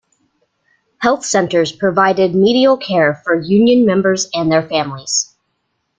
Health centers provided medial care for union members and their families.